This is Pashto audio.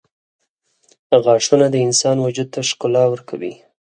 • غاښونه د انسان وجود ته ښکلا ورکوي.